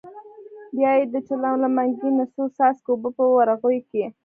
بیا یې د چلم له منګي نه څو څاڅکي اوبه په ورغوي کې.